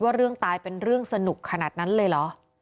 เรื่องตายเป็นเรื่องสนุกขนาดนั้นเลยเหรอ